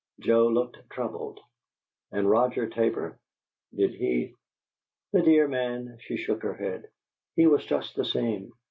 Joe looked troubled. "And Roger Tabor, did he " "The dear man!" She shook her head. "He was just the same.